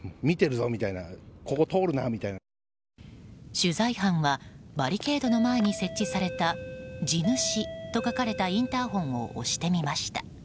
取材班はバリケードの前に設置された地主と書かれたインターホンを押してみました。